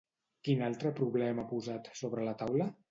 Quin altre problema ha posat sobre la taula?